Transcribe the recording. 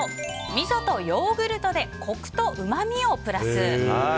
みそ×ヨーグルトでコクとうまみをプラス。